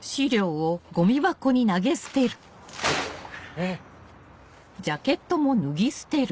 えっ。